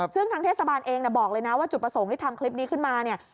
ซึ่งทางเทศบาลเองบอกเลยนะว่าจุดประสงค์ที่ทำคลิปนี้ขึ้นมาเนี่ย